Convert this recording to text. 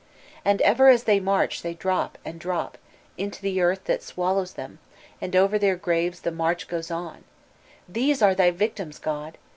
And, ever as they march, they drop, and drop, into the earth that swallows them, and over their graves the march goes on* These are thy victims, God!